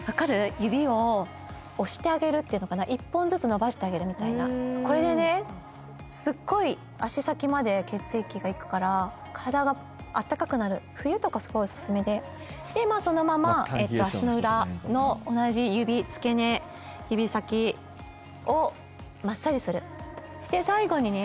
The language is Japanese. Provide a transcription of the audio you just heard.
指を押してあげるっていうのかな一本ずつ伸ばしてあげるみたいなこれでねすっごい冬とかすごいオススメでまあそのまま足の裏の同じ指付け根指先をマッサージする最後にね